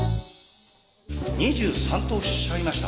２３とおっしゃいました？